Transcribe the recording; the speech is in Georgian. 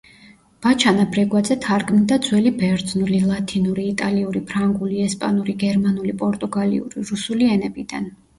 ბაჩანა ბრეგვაძე თარგმნიდა ძველი ბერძნული, ლათინური, იტალიური, ფრანგული, ესპანური, გერმანული, პორტუგალიური, რუსული ენებიდან.